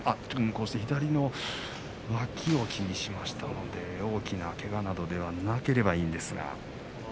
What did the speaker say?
玉鷲、左の脇を気にしましたので大きな、けがなどではなければいいんですが。